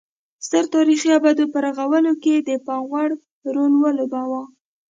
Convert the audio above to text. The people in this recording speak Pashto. ستر تاریخي ابدو په رغولو کې یې د پام وړ رول ولوباوه